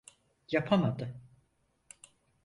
Yapamadı.